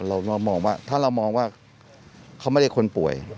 เรามองว่าถ้าเรามองว่าเขาไม่ได้คนป่วย